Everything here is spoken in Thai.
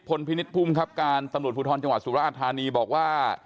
พินิษฐภูมิครับการตำรวจภูทรจังหวัดสุราธานีบอกว่า